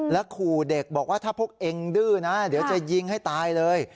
ขู่เด็กบอกว่าถ้าพวกเองดื้อนะเดี๋ยวจะยิงให้ตายเลย